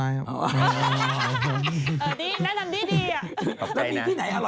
ไม่ครับไปดูต้นไม้ครับ